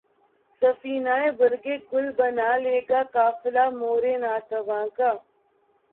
سفینۂ برگ گل بنا لے گا قافلہ مور ناتواں کا